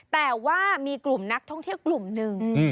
แต่ว่ามีกลุ่มนักท่องเที่ยวกลุ่มหนึ่ง